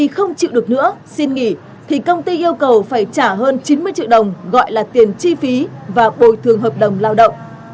không chịu được nữa xin nghỉ thì công ty yêu cầu phải trả hơn chín mươi triệu đồng gọi là tiền chi phí và bồi thường hợp đồng lao động